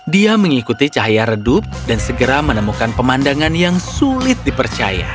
dia mengikuti cahaya redup dan segera menemukan pemandangan yang sulit dipercaya